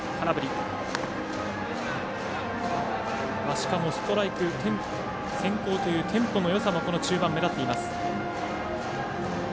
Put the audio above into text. しかもストライク先行というテンポのよさも中盤、目立っています。